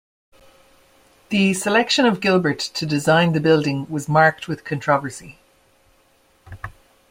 The selection of Gilbert to design the building was marked with controversy.